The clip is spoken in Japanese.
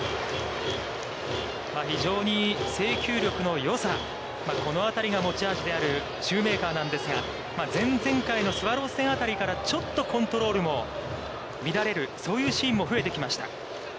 非常に制球力のよさ、このあたりが持ち味であるシューメーカーなんですが、前々回のあたりからちょっとコントロールも乱れる、そういうシーンも増えてきました。